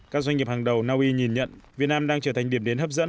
các doanh nghiệp hàng đầu naui nhìn nhận việt nam đang trở thành điểm đến hấp dẫn